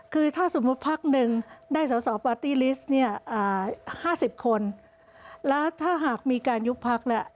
คือถ้าสมมุติพักหนึ่งได้สอสอปาร์ตี้ลิสต์เนี่ย๕๐คนแล้วถ้าหากมีการยุบพักแล้ว